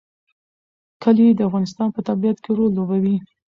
کلي د افغانستان په طبیعت کې رول لوبوي.